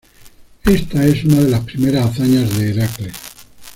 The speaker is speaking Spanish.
Esta es una de las primeras hazañas de Heracles.